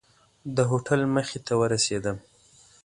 د هوټل مخې ته ورسېدم.